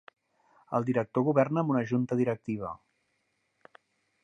El Director governa amb una Junta Directiva.